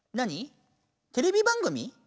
テレビ番組？